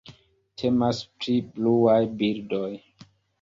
Temas pri bluaj birdoj.